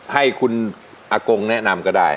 ให้คุณอากงแนะนำก็ได้